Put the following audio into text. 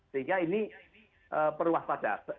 sehingga ini perlu waspada